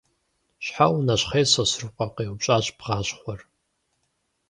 – Щхьэ унэщхъей, Сосрыкъуэ? – къеупщӀащ бгъащхъуэр.